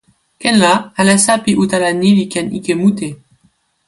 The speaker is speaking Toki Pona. ken la, alasa pi utala ni li ken ike mute.